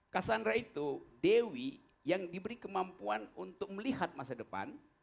cassandra itu dewi yang diberi kemampuan untuk melihat masa depan